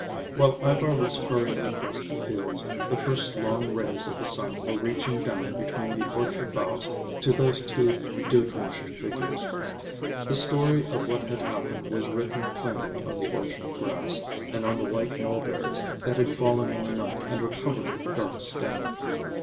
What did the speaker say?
While Ivar was hurrying across the fields, the first long rays of the sun were reaching down between the orchard boughs to those two dew drenched figures. The story of what had happened was written plainly on the orchard grass, and on the white mulberries that had fallen in the night and were covered with dark stain.